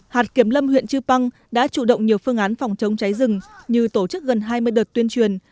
hạt kiểm lâm huyện chư păng đã chủ động nhiều phương án phòng chống cháy rừng như tổ chức gần hai mươi đợt tuyên truyền